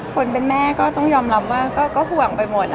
คนเป็นแม่ก็ต้องยอมรับว่าก็ห่วงไปหมด